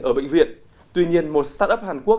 ở bệnh viện tuy nhiên một startup hàn quốc